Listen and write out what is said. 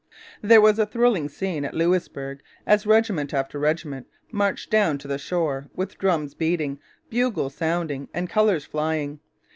There was a thrilling scene at Louisbourg as regiment after regiment marched down to the shore, with drums beating, bugles sounding, and colours flying.